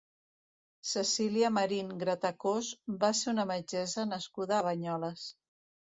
Cecília Marín Gratacós va ser una metgessa nascuda a Banyoles.